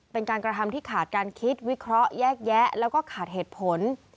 เป็นการกระทำที่ขาดการคิดวิเคราะห์แยกแยะแล้วก็ขาดเหตุผล